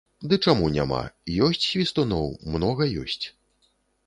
Ды чаму няма, ёсць свістуноў, многа ёсць.